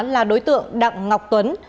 là đối tượng đặng ngọc tuấn